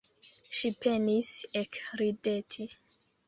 Ŝi penis ekrideti.